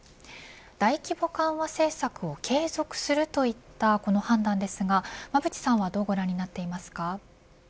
大規模緩和政策を継続するといった、この判断ですが馬渕さんはどうご覧になっていますか。